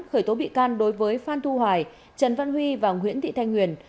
khởi tố bị can đối với phan thu hoài trần văn huy và nguyễn thị thanh nguyên